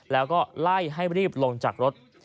แล้วก็ไล่ให้รีบลงจากรถ